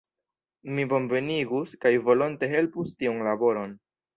Mi bonvenigus kaj volonte helpus tiun laboron.